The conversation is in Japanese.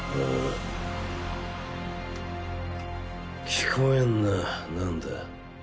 聞こえんななんだ？